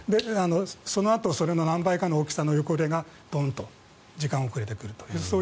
そのあとその何倍かの大きさの横揺れがドンと時間が遅れて来るという。